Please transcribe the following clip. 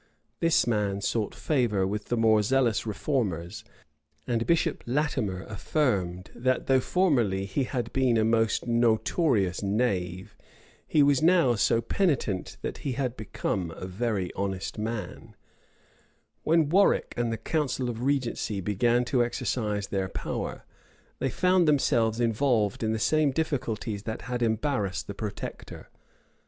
This man sought favor with the more zealous reformers; and Bishop Latimer affirmed that, though formerly he had been a most notorious knave, he was now so penitent that he had become a very honest man. * 3 and 4 Edward VI. c. 2. 3 and 4 Edward VI. c. 13. {1550.} When Warwick and the council of regency began to exercise their power, they found themselves involved in the same difficulties that had embarrassed the protector.